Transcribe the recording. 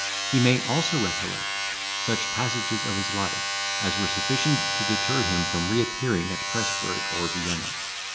He may also recollect such passages of his life, as were sufficient to deter him from reappearing at Presburg or Vienna.